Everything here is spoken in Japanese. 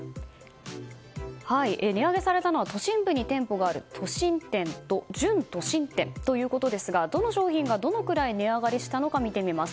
値上げされたのは都心部に店舗がある都心店と準都心店ということですがどの商品がどのくらい値上がりしたのか見てみます。